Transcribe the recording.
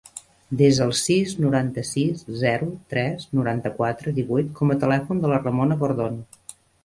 Desa el sis, noranta-sis, zero, tres, noranta-quatre, divuit com a telèfon de la Ramona Bordon.